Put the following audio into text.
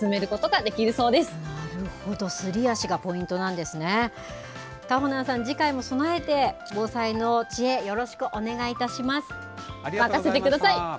かほなんさん、次回も備えて防災の知恵、よろしくお願いいたしま任せてください。